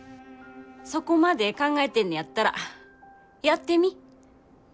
そこまで考えてんねやったらやってみ。